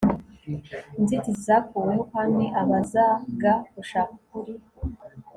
inzitizi zakuweho, kandi abazaga gushaka ukuri